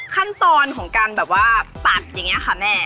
ขั้นตอนของการแบบว่าตัดอย่างนี้ค่ะแม่